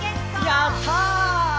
やった！